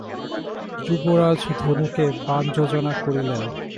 যুবরাজ ধনুকে বাণ যোজনা করিলেন।